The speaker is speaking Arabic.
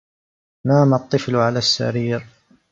نَامَ الطِّفْلُ عَلَى السَّرِيرِ.